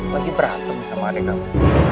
lagi berantem sama adik kamu